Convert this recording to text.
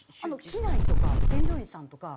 機内とか添乗員さんとか。